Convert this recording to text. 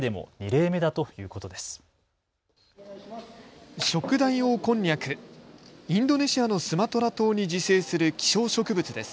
インドネシアのスマトラ島に自生する希少植物です。